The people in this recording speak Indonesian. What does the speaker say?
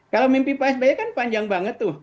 kalau mimpi pak sby kan panjang banget tuh